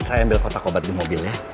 saya ambil kotak obat di mobil ya